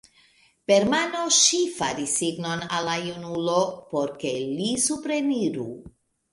Per mano ŝi faris signon al la junulo, por ke li supreniru.